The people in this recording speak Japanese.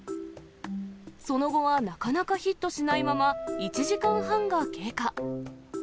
その後はなかなかヒットしないまま、１時間半が経過。